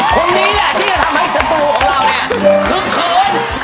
คนนี้แหละที่จะทำให้สตูของเราเนี่ยคึกคืน